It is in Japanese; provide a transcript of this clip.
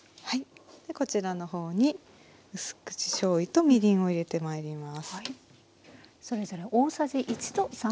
でこちらの方にうす口しょうゆとみりんを入れてまいります。